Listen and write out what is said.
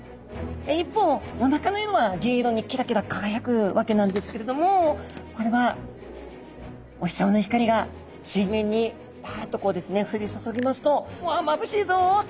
一方おなかの色は銀色にキラキラ輝くわけなんですけれどもこれはお日さまの光が水面にパッとこうですね降り注ぎますとうわまぶしいぞっと。